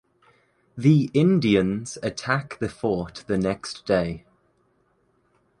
The Indians attack the fort the next day.